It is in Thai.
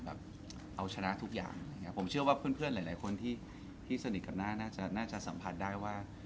แบบเอาชนะทุกอย่างผมเชื่อว่าเพื่อนหลายคนที่สนิทกับน่าจะสัมผัสได้ว่า